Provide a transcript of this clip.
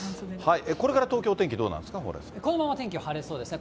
これから東京、お天気どうなるんこのまま天気、晴れそうですね。